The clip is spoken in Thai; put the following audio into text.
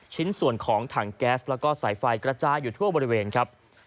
ชิ้นส่วนของถังแก๊สแล้วก็สายไฟกระจายอยู่ทั่วบริเวณครับ